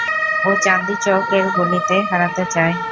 ও চান্দি চওক এর গলিতে হারাতে চায়।